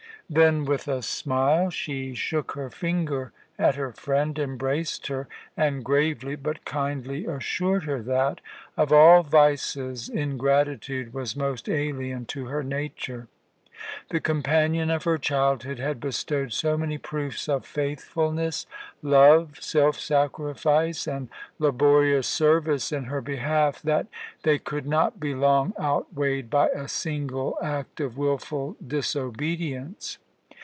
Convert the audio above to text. Then, with a smile, she shook her finger at her friend, embraced her, and gravely but kindly assured her that, of all vices, ingratitude was most alien to her nature. The companion of her childhood had bestowed so many proofs of faithfulness, love, self sacrifice, and laborious service in her behalf that they could not be long outweighed by a single act of wilful disobedience.